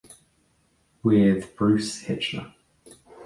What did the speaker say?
With Bruce Hitchner.